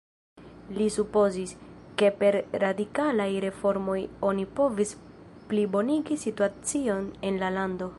Li supozis, ke per radikalaj reformoj oni povis plibonigi situacion en la lando.